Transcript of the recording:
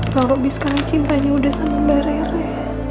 bang robi sekarang cintanya udah sama mbak rere